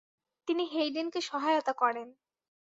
তিনি হেইডেনকে সহায়তা করেন।